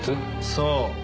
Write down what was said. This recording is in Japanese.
そう。